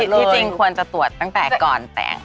ที่จริงควรจะตรวจตั้งแต่ก่อนแต่ง